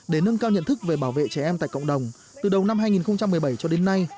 để nâng cao nhận thức về bảo vệ trẻ em tại cộng đồng từ đầu năm hai nghìn một mươi bảy cho đến nay